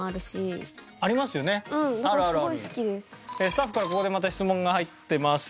スタッフからここでまた質問が入ってます。